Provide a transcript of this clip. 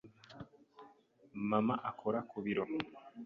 Mama akora ku biro.